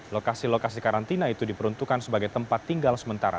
lokasi lokasi karantina itu diperuntukkan sebagai tempat tinggal sementara